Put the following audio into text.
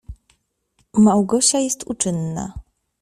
Małgosia jest uczynna.